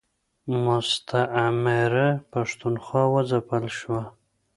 مستعمره پښتونخوا و ځپل شوه.